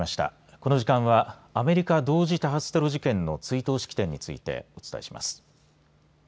この時間はアメリカ同時多発テロの追悼式典についてお伝えします。